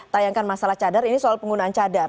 tayangkan masalah cadar ini soal penggunaan cadar